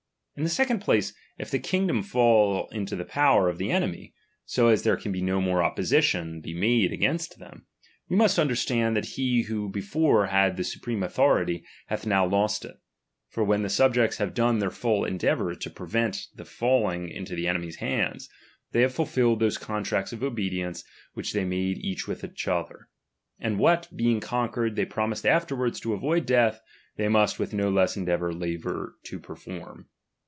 In the second ^| place, if the kingdom fall into the power of the ^^k enemy, so as there can no more opposition be ^| made against them, we must understand that he ^| who before had the supreme authority, hath now ^| lost it : for when the subjects have done their full ^| endeavour to prevent their falling into the enemy's ^| hands, they have fulfilled those contracts of obe ^| dience which they made each with other ; and ^| what, being conquered, they promise afterwards to ^| avoid death, they must with no less endeavour ^| labour to perform.